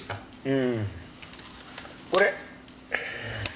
うんこれ。